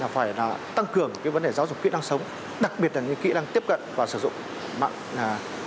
phải tăng cường vấn đề giáo dục kỹ năng sống đặc biệt là những kỹ năng tiếp cận và sử dụng mạng